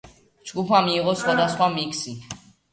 ჯგუფმა მიიღო სხვადასხვა მიქსი.